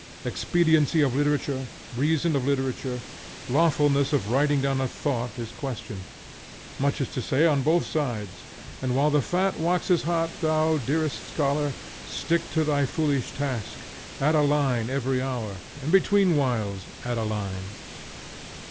Expediency of literature, reason of literature, lawfulness of writing down a thought, is questioned; much is to say on both sides, and, while the fight waxes hot, thou, dearest scholar, stick to thy foolish task, add a line every hour, and between whiles add a line.